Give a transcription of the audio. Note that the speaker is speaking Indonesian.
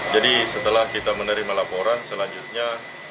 jadi setelah kita menerima laporan selanjutnya